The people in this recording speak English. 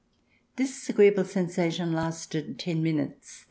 This agree " able sensation lasted ten minutes.